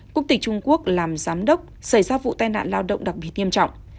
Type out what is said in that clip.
quốc tịch trung quốc làm giám đốc xảy ra vụ tai nạn lao động đặc biệt nghiêm trọng